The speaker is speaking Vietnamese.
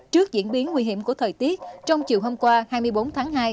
trước diễn biến nguy hiểm của thời tiết trong chiều hôm qua hai mươi bốn tháng hai